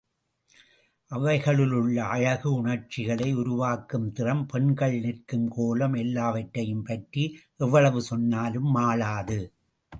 அவைகளிலுள்ள அழகு, உணர்ச்சிகளை உருவாக்கும் திறம், பெண்கள் நிற்கும் கோலம் எல்லாவற்றையும் பற்றி எவ்வளவு சொன்னாலும் மாளாது.